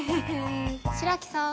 白木さん